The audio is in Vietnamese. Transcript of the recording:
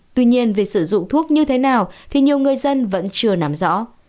tuy nhiên việc sử dụng thuốc như thế nào thì nhiều người dân vẫn chưa nắm rõ